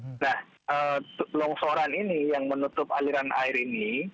nah longsoran ini yang menutup aliran air ini